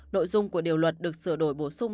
nội dung của điều luật được sửa đổi bổ sung